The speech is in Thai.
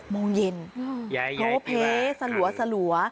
โมงเย็นโพเพสลัว